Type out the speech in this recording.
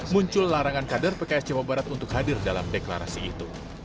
muncul larangan kader pks jawa barat untuk hadir dalam deklarasi itu